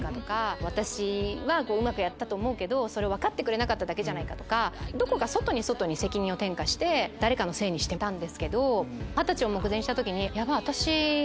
私はうまくやったと思うけど分かってくれなかっただけとかどこか外に外に責任を転嫁して誰かのせいにしてたんですけど二十歳を目前にした時にヤバい私。